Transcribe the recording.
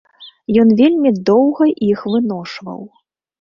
Ён вельмі доўга іх выношваў.